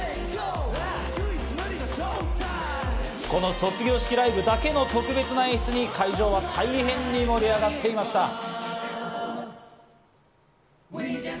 この卒業式ライブだけの特別なパフォーマンスに会場は大変盛り上がっていました。